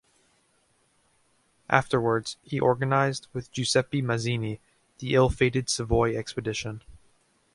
Afterwards he organized, with Giuseppe Mazzini, the ill-fated Savoy expedition.